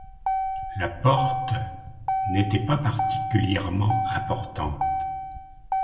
La porte du n’était pas particulièrement importante.